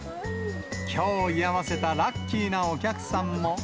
きょう居合わせたラッキーなお客さんも。